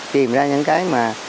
tìm ra những cái mà